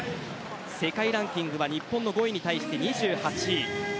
世界ランキングは日本の５位に対して２８位。